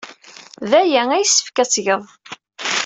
D aya ay yessefk ad t-tged.